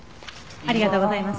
ありがとうございます。